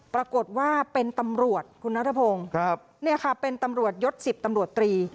ปรากฏว่าเป็นตำรวจคุณนัทพงศ์เนี่ยค่ะเป็นตำรวจยศ๑๐ตำรวจตรี